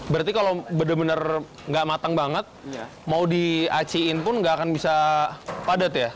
berarti kalau benar benar nggak matang banget mau diaciin pun nggak akan bisa padat ya